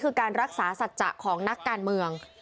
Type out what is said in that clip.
คือการรักษาสัจจะของนักการเมือง